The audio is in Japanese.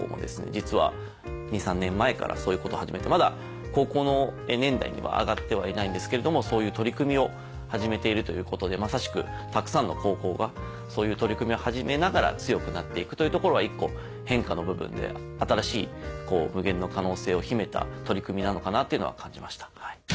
実は２３年前からそういうことを始めてまだ高校の年代には上がってはいないんですけれどそういう取り組みを始めているということでまさしくたくさんの高校がそういう取り組みを始めながら強くなっていくというところは一個変化の部分で新しい無限の可能性を秘めた取り組みなのかなっていうのは感じました。